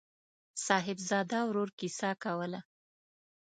صاحبزاده ورور کیسه کوله.